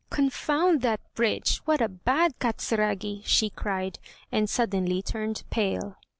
'Confound that bridge, what a bad Katzragi,' she cried, and suddenly turned pale.